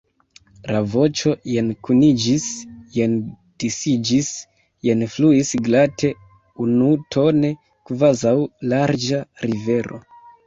La voĉo jen kuniĝis, jen disiĝis, jen fluis glate, unutone, kvazaŭ larĝa rivero.